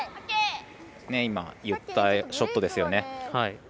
今、言ったショットですよね。